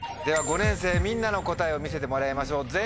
では５年生みんなの答えを見せてもらいましょう。